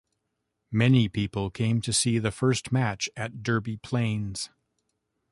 Many people came to see the first match at "Derby plains".